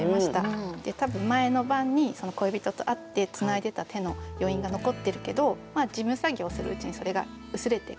で多分前の晩に恋人と会ってつないでた手の余韻が残ってるけど事務作業するうちにそれが薄れていく。